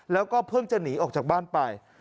แล้วก็เพิ่งจะหนีออกจากบ้านไป